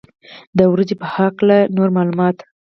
د وریجو په هکله نور معلومات.